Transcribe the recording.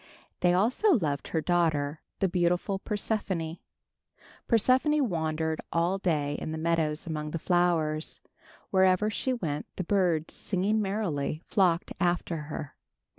They also loved her daughter, the beautiful Persephone. Persephone wandered all day in the meadows among the flowers. Wherever she went the birds, singing merrily, flocked after her.